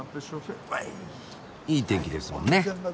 いい天気ですもんね。